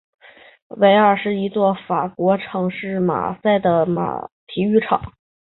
韦洛德罗姆球场是一座设在法国城市马赛的体育场。